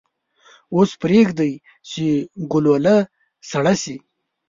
اوس پریږدئ چې ګلوله سړه شي.